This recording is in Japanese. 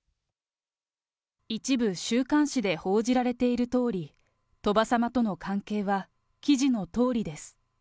一部、週刊誌で報じられているとおり、鳥羽様との関係は記事のとおりです。